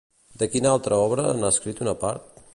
De quina altra obra n'ha escrit una part?